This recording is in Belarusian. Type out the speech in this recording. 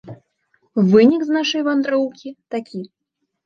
Вынік з нашай вандроўкі такі.